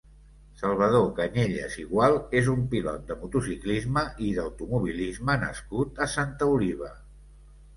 Salvador Cañellas i Gual és un pilot de motociclisme i d'automobilisme nascut a Santa Oliva.